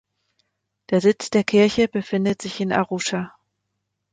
Der Sitz der Kirche befindet sich in Arusha.